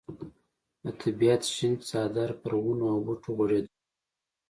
د طبیعت شین څادر پر ونو او بوټو غوړېدلی وي.